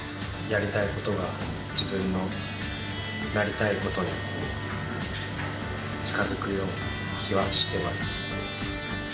やりたいことが、自分のなりたいことに近づくような気はしてます。